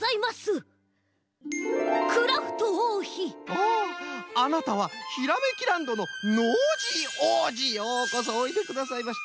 おおあなたはひらめきランドのノージーおうじようこそおいでくださいました。